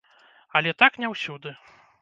Але так не ўсюды.